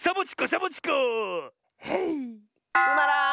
つまらん！